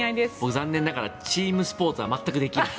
残念ながらチームスポーツは全くできない。